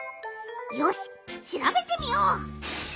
よししらべてみよう！